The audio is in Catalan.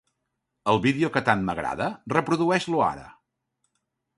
El vídeo que tant m'agrada, reprodueix-lo ara.